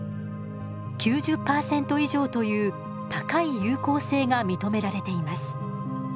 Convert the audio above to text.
９０％以上という高い有効性が認められています。